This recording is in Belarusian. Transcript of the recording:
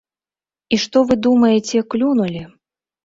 І што вы думаеце, клюнулі.